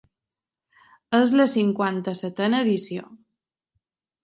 És la cinquanta-setena edició.